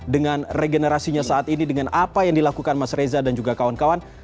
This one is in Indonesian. dengan regenerasinya saat ini dengan apa yang dilakukan mas reza dan juga kawan kawan